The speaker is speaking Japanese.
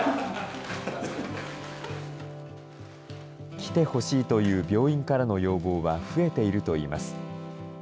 来てほしいという病院からの要望は増えているといいます。